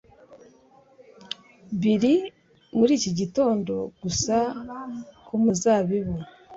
Biri muri iki gitondo gusa ku muzabibu